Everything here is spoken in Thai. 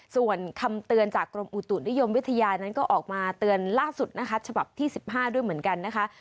ส่วนคำเตือนจากกรมอุตุนิยมวิทยานั้นก็ออกมาเตือนล่าสุดนะคะฉบับที่๑๕ด้วยเหมือนกันนะคะ